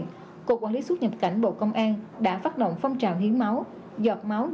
ngoài ra đối tượng nhập cảnh là tổ bay phi công và tiếp viên